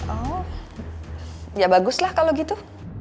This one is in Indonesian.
oh ya bagus lah kalau gitu